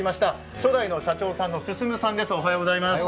初代の社長さんの進さんです。